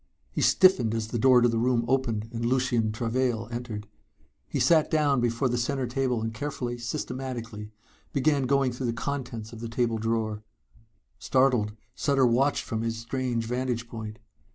He stiffened as the door to the room opened and Lucien Travail entered. He sat down before the center table and carefully, systematically began going through the contents of the table drawer. Startled, Sutter watched from his strange vantage point.